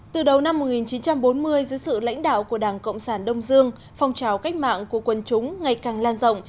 từ đầu năm một nghìn chín trăm bốn mươi dưới sự lãnh đạo của đảng cộng sản đông dương phong trào cách mạng của quân chúng ngày càng lan rộng